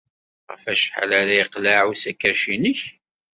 Ɣef wacḥal ara yeqleɛ usakac-nnek?